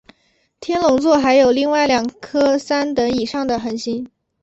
天龙座还有另外两颗三等以上的恒星。